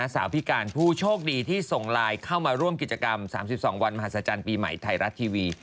สาวพิการผู้โชคดีที่ส่งไลน์เข้ามาร่วมกิจกรรม๓๒วันมหัศจรรย์ปีใหม่ไทยรัฐทีวี